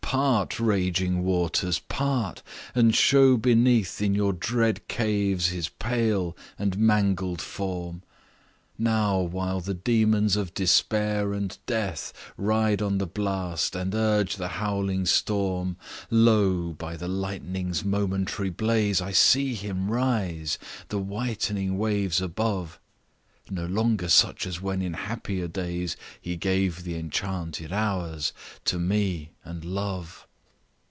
"Part, raging waters! part, and show beneath, In your dread caves, his pale and mangled form; Now, while the demons of despair and death Ride on the blast, and urge the howling storm: Page 33 "Lo! by the lightning's momentary blaze, I see him rise the whitening waves above, No longer such as when in happier days He gave the enchanted hours to me and love.